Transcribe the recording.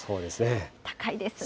高いですね。